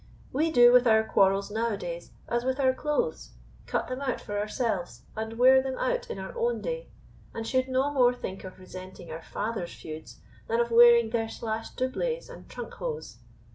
We do with our quarrels nowadays as with our clothes; cut them out for ourselves, and wear them out in our own day, and should no more think of resenting our fathers' feuds, than of wearing their slashed doublets and trunk hose."